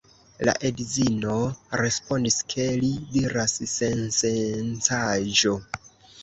La edzino respondis, ke li diras sensencaĵon.